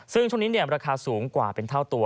ซึ่งช่วงนี้ราคาสูงกว่าเป็นเท่าตัว